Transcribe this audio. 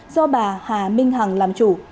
do bà hà minh hằng làm chủ